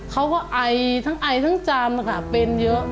เขาก็ไอทั้งไอทั้งจำเป็นเยอะ